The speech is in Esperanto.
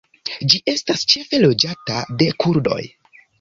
Ĝi estas ĉefe loĝata de kurdoj.